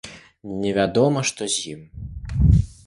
Невядома, што з ім.